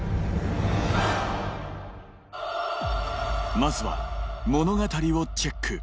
まずは物語をチェック